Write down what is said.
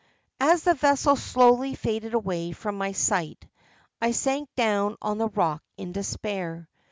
"As the vessel slowly faded away from my sight, I sank down on the rock in despair.